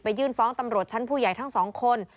ยื่นฟ้องตำรวจชั้นผู้ใหญ่ทั้งสองคน